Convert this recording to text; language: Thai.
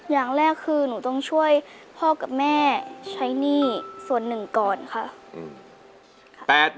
อย่างแรกคือหนูต้องช่วยพ่อกับแม่ใช้หนี้ส่วนหนึ่งก่อนค่ะ